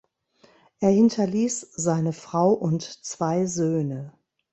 Er hinterließ seine Frau und zwei Söhne.